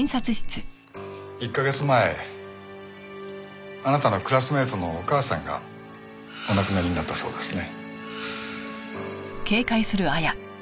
１カ月前あなたのクラスメートのお母さんがお亡くなりになったそうですね。